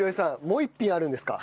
もう一品あるんですか？